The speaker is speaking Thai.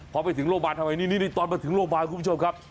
พอไปถึงโรงพยาบาลทำไมนี่ตอนมาถึงโรงพยาบาลคุณผู้ชมครับ